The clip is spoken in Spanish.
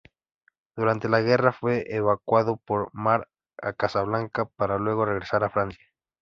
Durante la guerra fue evacuado por mar a Casablanca, para luego regresar a Francia.